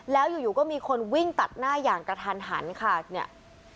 แล้วอยู่อยู่ก็มีคนวิ่งตัดหน้าอย่างกระทันหันค่ะเนี่ย